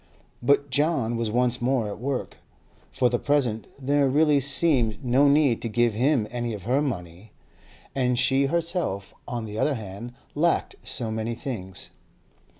But John was once more at work; for the present there really seemed no need to give him any of her money, and she herself, on the other hand, lacked so many things.